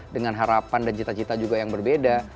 dengan harapan dan cita cita juga yang berbeda